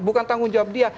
bukan tanggung jawab dia